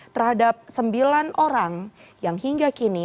terhadap sembilan orang yang hingga kini